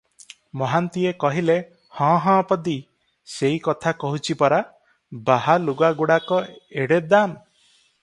ମହାନ୍ତିଏ କହିଲେ-ହଁ ହଁ ପଦୀ, ସେଇ କଥା କହୁଛି ପରା, ବାହା ଲୁଗାଗୁଡ଼ାକ ଏଡେ ଦାମ!